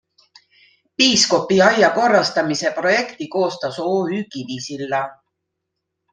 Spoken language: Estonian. Piiskopi aia korrastamise projekti koostas OÜ Kivisilla.